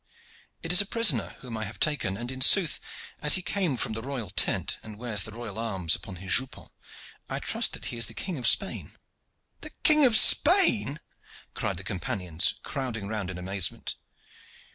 "It is a prisoner whom I have taken, and in sooth, as he came from the royal tent and wears the royal arms upon his jupon, I trust that he is the King of Spain." "The King of Spain!" cried the companions, crowding round in amazement.